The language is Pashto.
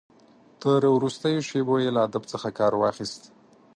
تر وروستیو شېبو یې له ادب څخه کار واخیست.